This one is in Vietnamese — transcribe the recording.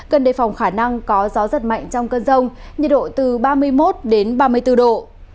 cần đề phòng khả năng có gió giật mạnh trong cơn rông nhiệt độ từ ba mươi một đến ba mươi bốn độ